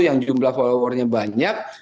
yang jumlah followernya banyak